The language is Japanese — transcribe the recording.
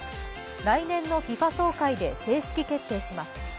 来年のＦＩＦＡ総会で正式決定します。